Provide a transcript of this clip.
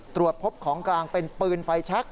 ตรวจพบของกลางเป็นปืนไฟแชค